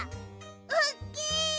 おっきい！